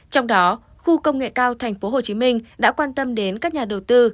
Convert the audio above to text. trong đó khu công nghệ cao tp hcm đã quan tâm đến các nhà đầu tư